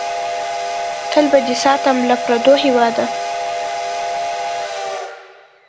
تل به دې ساتم له پردو هېواده!